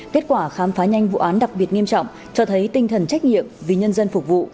kết quả khám phá nhanh vụ án đặc biệt nghiêm trọng cho thấy tinh thần trách nhiệm vì nhân dân phục vụ